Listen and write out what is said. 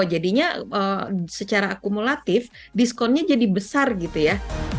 jadinya secara akumulatif diskonnya jadi besar gitu ya